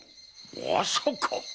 まさかっ！